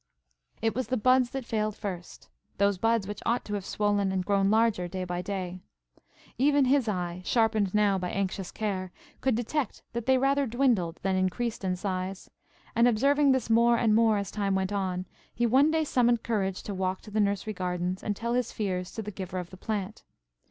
It was the buds that failed first; those buds which ought to have swollen and grown larger day by day. Even his eye, sharpened now by anxious care, could detect that they rather dwindled than increased in size; and, observing this more and more as time went on, he one day summoned courage to walk to the Nursery Gardens, and tell his fears to the giver of the plant.